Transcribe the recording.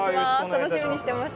楽しみにしてました